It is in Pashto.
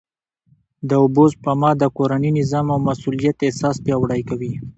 د اوبو سپما د کورني نظم او مسؤلیت احساس پیاوړی کوي.